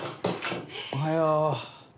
おはよう。